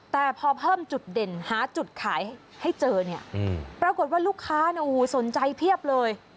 แต่พอเพิ่มจุดเด่นหาจุดขายให้เจอเนี่ยปรากฏว่าลูกค้าสนใจเพียบเลย